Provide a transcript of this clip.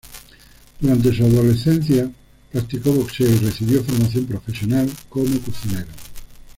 Durante su adolescencia practicó boxeo y recibió formación profesional como cocinero.